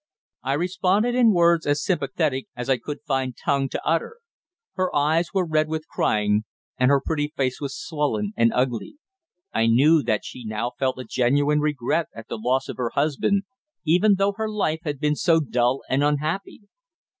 I responded in words as sympathetic as I could find tongue to utter. Her eyes were red with crying, and her pretty face was swollen and ugly. I knew that she now felt a genuine regret at the loss of her husband, even though her life had been so dull and unhappy.